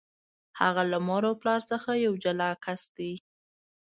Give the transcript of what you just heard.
هغه له مور او پلار څخه یو جلا کس دی.